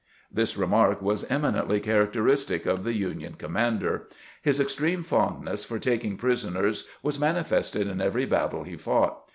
This remark was eminently characteristic of the Union commander. His extreme fondness for taking prisoners was manifested in every battle he fought.